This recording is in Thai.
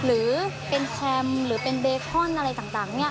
หรือเป็นแชมป์หรือเป็นเบคอนอะไรต่างเนี่ย